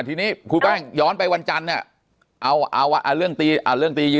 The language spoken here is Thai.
ทีนี้คุณแป้งย้อนไปวันจันทร์เนี่ย